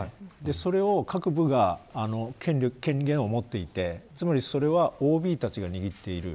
それを各部が権限を持っていてつまり、それはＯＢたちが握っている。